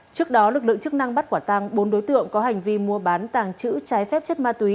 trước đó lực lượng chức năng bắt quả tăng bốn đối tượng có hành vi mua bán tàng trữ trái phép chất ma túy